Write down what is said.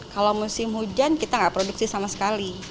kalau musim hujan kita nggak produksi sama sekali